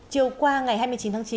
chiều qua ngày hai mươi chín tháng chín